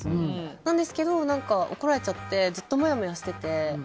なんですけど怒られちゃってずっともやもやしてて。